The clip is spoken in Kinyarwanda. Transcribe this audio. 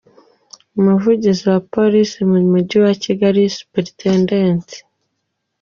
Umuvugizi wa Polisi mu mujyi wa Kigali, Supt.